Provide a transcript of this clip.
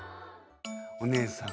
お姉さん